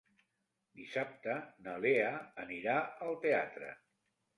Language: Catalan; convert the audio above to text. Dissabte na Lea anirà al teatre.